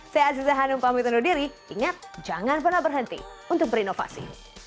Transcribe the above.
saya aziza hanum pamit undur diri ingat jangan pernah berhenti untuk berinovasi